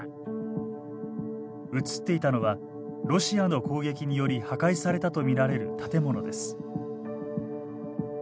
映っていたのはロシアの攻撃により破壊されたと見られる建物です。